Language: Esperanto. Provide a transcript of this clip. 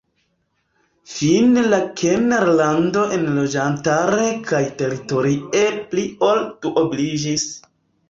Fine la kerna lando enloĝantare kaj teritorie pli ol duobliĝis.